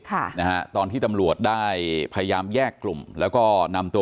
ค่ะนะฮะตอนที่ตำรวจได้พยายามแยกกลุ่มแล้วก็นำตัว